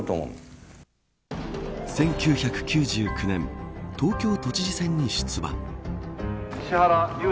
１９９９年東京都知事選に出馬。